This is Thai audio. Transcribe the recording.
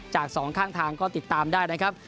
จากสองข้างทางก็ติดตามได้นะครับ